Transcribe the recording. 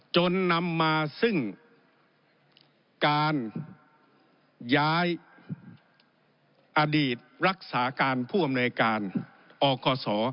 จนนำมาซึ่งการย้ายอดีตรักษาการผู้อำนวยการอกศ